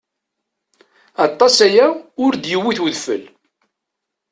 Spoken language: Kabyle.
Aṭas aya ur d-yewwit udfel.